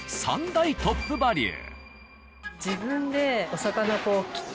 ３大トップバリュ。